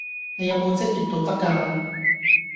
你有冇職業道德㗎？